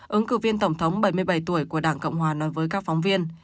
ứng cử viên tổng thống bảy mươi bảy tuổi của đảng cộng hòa nói với các phóng viên